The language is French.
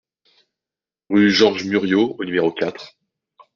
Rue Georges Muriot au numéro quatre